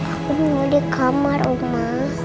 aku mau di kamar mama